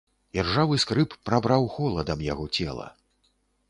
Іржавы скрып прабраў холадам яго цела.